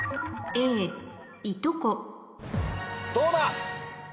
どうだ？